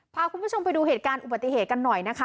พาคุณผู้ชมไปดูเหตุการณ์อุบัติเหตุกันหน่อยนะคะ